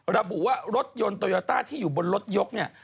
ระบุว่ารถยนต์โตโยต้าที่อยู่บนรถยกเนี่ย